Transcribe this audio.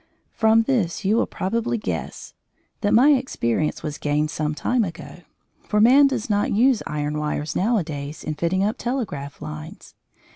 From this you will probably guess that my experience was gained some time ago, for man does not use iron wires nowadays in fitting up telegraph lines.